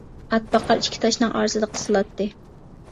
ئات باقار ئىككى تاشنىڭ ئارىسىدا قىسىلاتتى.